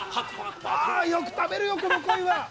よく食べるよ、このコイは。